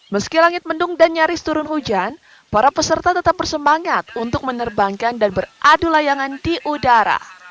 meski langit mendung dan nyaris turun hujan para peserta tetap bersemangat untuk menerbangkan dan beradu layangan di udara